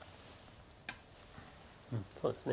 そうですね。